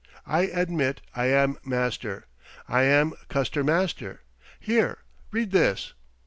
I admit I am Master. I am Custer Master. Here, read this!"